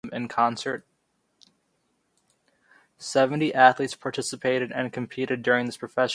The mono and stereo versions have slightly different harmonica introductions.